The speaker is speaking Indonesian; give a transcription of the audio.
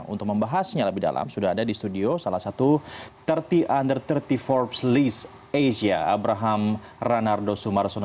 untuk membahasnya lebih dalam sudah ada di studio salah satu tiga puluh under tiga puluh forbes list asia abraham ranardo sumarosono